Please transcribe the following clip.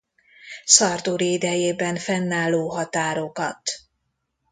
Szarduri idejében fennálló határokat.